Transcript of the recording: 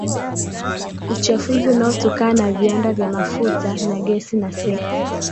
Uchafuzi unaotokana na viwanda vya mafuta na gesi na sekta